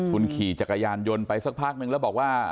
คุณขี่จักรยานยนต์ไปสักพักนึงแล้วบอกว่า